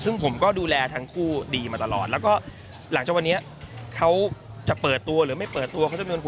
ซึ่งผมก็ดูแลทั้งคู่ดีมาตลอดแล้วก็หลังจากวันนี้เขาจะเปิดตัวหรือไม่เปิดตัวเขาจะเป็นคน